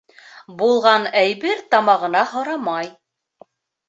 Булған әйбер тамағына һорамай.